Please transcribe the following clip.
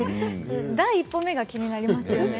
第一歩目が気になりますね。